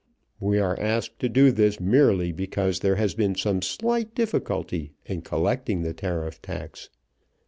We are asked to do this merely because there has been some slight difficulty in collecting the tariff tax.